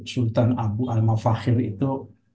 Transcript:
sultan abu al mafahir itu